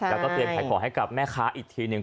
แล้วก็เตรียมขายของให้กับแม่ค้าอีกทีหนึ่ง